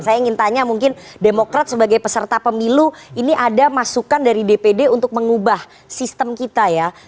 saya ingin tanya mungkin demokrat sebagai peserta pemilu ini ada masukan dari dpd untuk mengubah sistem kita ya